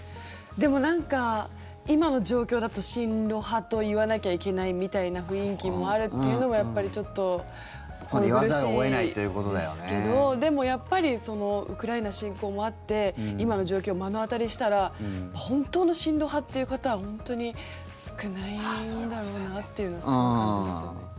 でもなんか今の状況だと親ロ派と言わなきゃいけないみたいな雰囲気もあるというのもやっぱり、ちょっと心苦しいですけどでもやっぱりウクライナ侵攻もあって今の状況を目の当たりにしたら本当の親ロ派という方は本当に少ないんだろうなというのはすごく感じますよね。